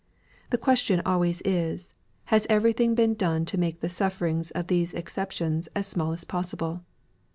The question always is, has everything been done to make the sufferings of these exceptions as small as possible?